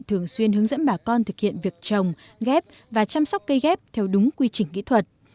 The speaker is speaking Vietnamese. thường xuyên hướng dẫn bà con thực hiện việc trồng ghép và chăm sóc cây ghép theo đúng quy trình kỹ thuật